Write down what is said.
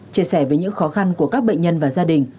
chia sẻ với những khó khăn của các bệnh nhân và gia đình